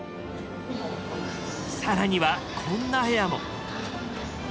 更にはこんな部屋も。